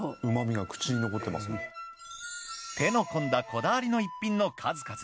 手の込んだこだわりの逸品の数々。